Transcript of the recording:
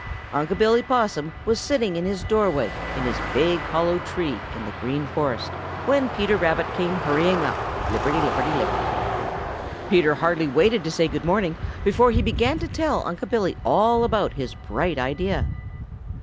Unc' Billy Possum was sitting in his doorway in his big, hollow tree in the Green Forest when Peter Rabbit came hurrying up, lipperty lipperty lip. Peter hardly waited to say good morning before he began to tell Unc' Billy all about his bright idea.